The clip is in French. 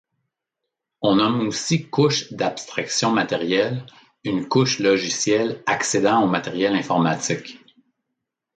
On nomme aussi couche d'abstraction matérielle une couche logicielle accédant au matériel informatique.